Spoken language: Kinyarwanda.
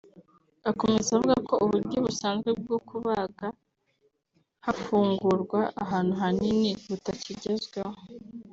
Akomeza avuga ko uburyo busanzwe bwo kubaga hafungurwa ahantu hanini butakigezweho